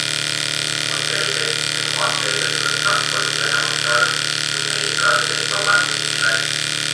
On selge, et maanteedelt tuleb transporti vähemaks saada juba heitgaasidest vabanemise nimel.